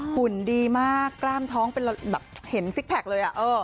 หุ่นดีมากกล้ามท้องเป็นแบบเห็นซิกแพคเลย